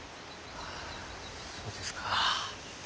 ああそうですか。